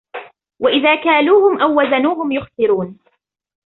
وَإِذَا كَالُوهُمْ أَوْ وَزَنُوهُمْ يُخْسِرُونَ